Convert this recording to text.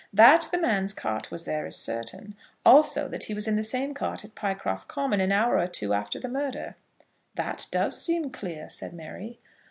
That the man's cart was there is certain, also that he was in the same cart at Pycroft Common an hour or two after the murder." "That does seem clear," said Mary.